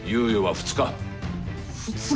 ２日？